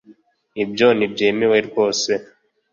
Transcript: Ibyo ntibyemewe rwose.